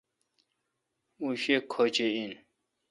اوں شی کھوش این۔